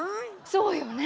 そうよね。